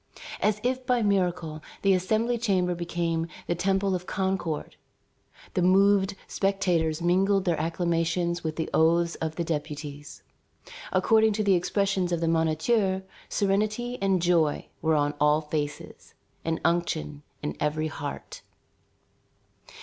As if by miracle, the Assembly chamber became the temple of Concord. The moved spectators mingled their acclamations with the oaths of the deputies. According to the expressions of the Moniteur, serenity and joy were on all faces, and unction in every heart.